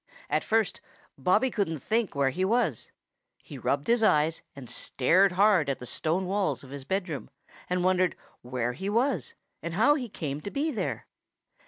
At first, Bobby couldn't think where he was. He rubbed his eyes and stared hard at the stone walls of his bedroom and wondered where he was and how he came to be there.